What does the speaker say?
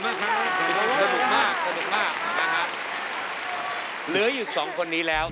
เหลืออยู่๒คนนี้แล้ว